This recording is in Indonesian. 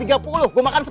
gue makan sepuluh